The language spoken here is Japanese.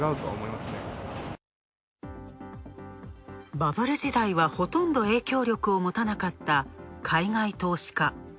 バブル時代はほとんど影響力をもたなかった海外投資家。